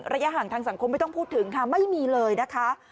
ระยะห่างทางสังคมไม่ต้องพูดถึงค่ะไม่มีเลยนะคะ